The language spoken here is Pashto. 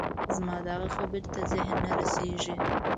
زما دغه خبرې ته ذهن نه رسېږي